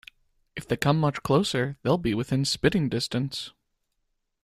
If they come much closer, they'll be within spitting distance.